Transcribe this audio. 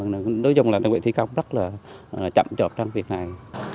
đối với dòng làn đồng vị thi công rất là chậm trọt trong việc này